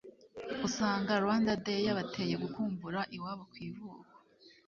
usanga Rwanda Day yabateye gukumbura iwabo ku ivuko